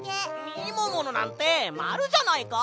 みもものなんてまるじゃないか！